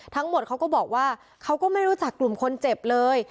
ทั้งหมดเขาก็บอกว่าเขาก็ไม่รู้จักกลุ่มคนเจ็บเลย